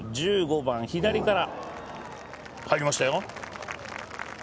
１５番、左から入りましたよ。